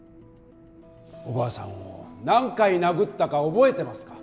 おばあさんを何回殴ったか覚えてますか？